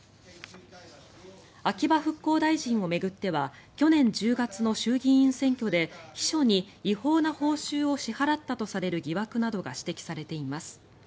秋葉復興大臣を巡っては去年１０月の衆議院選挙で秘書に違法な報酬を支払ったとされる疑惑などが指摘されています。